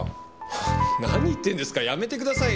ハハ何言ってるんですかやめてくださいよ。